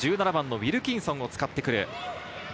ウィルキンソンを使ってくる。